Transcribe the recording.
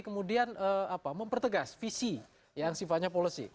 kemudian mempertegas visi yang sifatnya policy